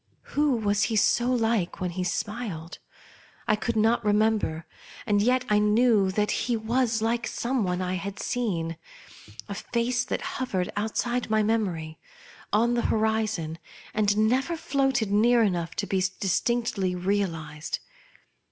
Who was he so like when he smiled? I could not remember, and yet 1 knew that he was like some one I had seen — a face that hovered outside my memory, on the horizon, and never floated near enough to be distinctly realized.